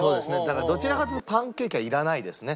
だからどちらかというとパンケーキはいらないですね。